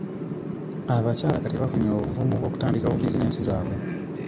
Abakyala kati bafunye obuvumu bw'okutandikawo bizinesi zaabwe.